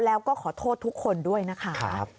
แล้วก็ขอโทษทุกคนด้วยนะคะ